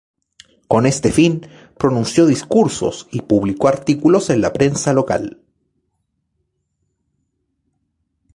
Con este fin, pronunció discursos y publicó artículos en la prensa local.